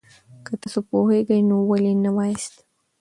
که تاسو پوهېږئ، نو ولې نه وایاست؟